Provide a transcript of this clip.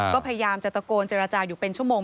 ก็พยายามจะตะโกนเจรจาอยู่เป็นชั่วโมง